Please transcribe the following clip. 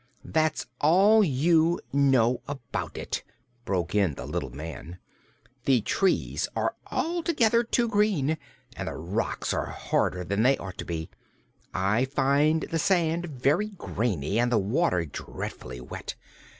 "That's all you know about it!" broke in the little man. "The trees are altogether too green and the rocks are harder than they ought to be. I find the sand very grainy and the water dreadfully wet.